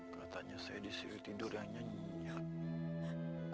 katanya saya disini tidur yang nyenyak